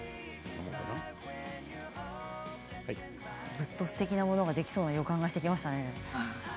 ぐっとすてきなものができそうな予感がしてきましたね。